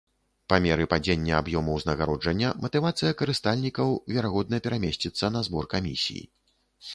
Па меры падзення аб'ёму ўзнагароджання матывацыя карыстальнікаў, верагодна, перамесціцца на збор камісій.